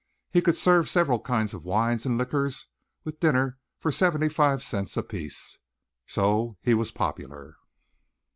He could serve several kinds of wines and liquors with a dinner for seventy five cents a piece. So he was popular.